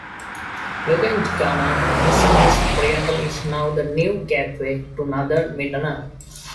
Laguindingan Misamis Oriental is now the new gateway to Northern Mindanao.